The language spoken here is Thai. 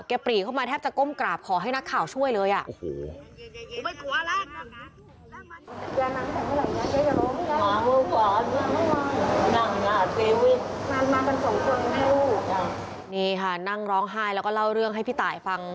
ปรีเข้ามาแทบจะก้มกราบขอให้นักข่าวช่วยเลย